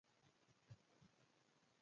مېز د لوستلو علاقه زیاته وي.